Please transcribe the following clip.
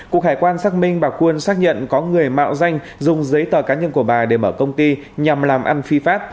cục hải quan xác minh bà khuôn xác nhận có người mạo danh dùng giấy tờ cá nhân của bà để mở công ty nhằm làm ăn phi pháp